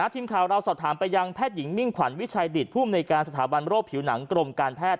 ทีมข่าวเราสอบถามไปยังแพทย์หญิงมิ่งขวัญวิชัยดิตภูมิในการสถาบันโรคผิวหนังกรมการแพทย์